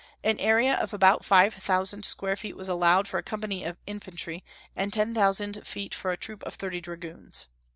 An area of about five thousand square feet was allowed for a company of infantry, and ten thousand feet for a troop of thirty dragoons.